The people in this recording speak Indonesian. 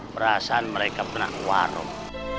perasaan mereka pernah warung